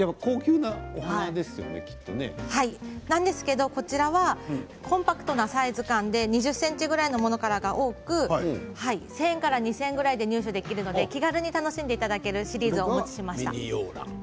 なんですけどこちらはコンパクトなサイズ感で２０ｃｍぐらいのものからが多く１０００円から２０００円ぐらいで、入手できるので気軽に楽しんでいただけるシリーズをお持ちしました。